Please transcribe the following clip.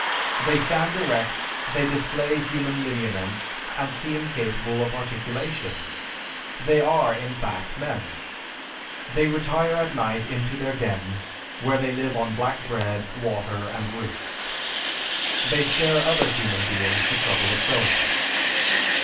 They stand erect, they display human lineaments, and seem capable of articulation. They are, in fact, men. They retire at night into their dens, where they live on black bread, water and roots. They spare other human beings the trouble of sowing."